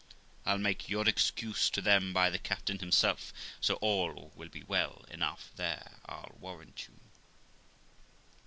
I'll make your excuse to them by the captain himself, so all will be well enough there, 111 warrant you.'